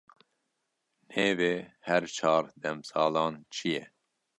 Nevê her çar demsalan çi ye?